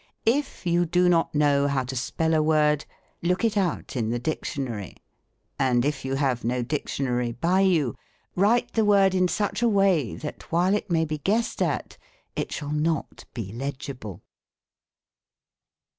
If you do not know how to spell a word, look it out in the dictionary, and if you have no dic tionary by you, write the word in such a way, that, while it may be guessed at, it shall not be legible.